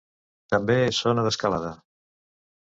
També és zona d'escalada.